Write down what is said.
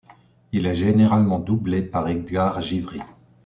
Il est généralement doublé par Edgar Givry.